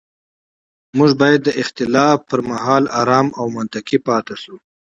موږ باید د اختلاف پر مهال ارام او منطقي پاتې شو